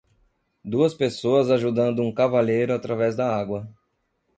Duas pessoas ajudando um cavalheiro através da água.